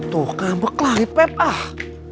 tuh ngambek lagi pep ah